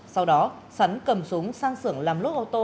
sau đó sắn cầm súng sang xưởng làm lốt ô tô